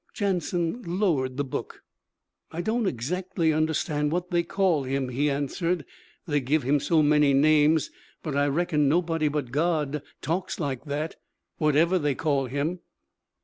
Jansen lowered the book. 'I don't exactly understand what they call him,' he answered, 'they give him so many names. But I reckon nobody but God talks like that, whatever they call him.'